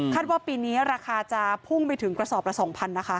ว่าปีนี้ราคาจะพุ่งไปถึงกระสอบละ๒๐๐นะคะ